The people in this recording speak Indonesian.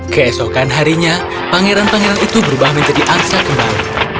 keesokan harinya pangeran pangeran itu berubah menjadi arsa kembali